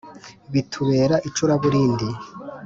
Bitubera icuraburindi